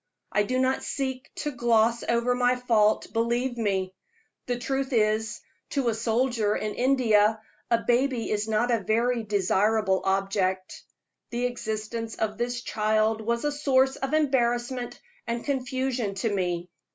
I do not seek to gloss over my fault, believe me. The truth is, to a soldier in India a baby is not a very desirable object. The existence of this child was a source of embarrassment and confusion to me.